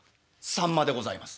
「さんまでございます」。